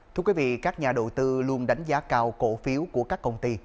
thưa quý vị các nhà đầu tư luôn đánh giá cao cổ phiếu của các công ty